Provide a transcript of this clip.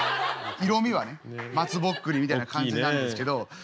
色みはね松ぼっくりみたいな感じなんですけど。